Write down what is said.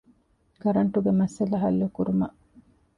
ކަރަންޓުގެ މައްސަލަ ޙައްލުކުރުމަށް